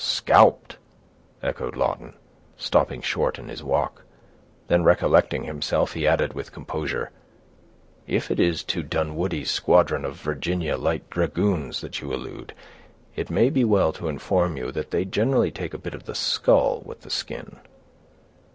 "Scalped!" echoed Lawton, stopping short in his walk. Then recollecting himself, he added, with composure, "If it is to Dunwoodie's squadron of Virginia light dragoons that you allude, it may be well to inform you that they generally take a bit of the skull with the skin."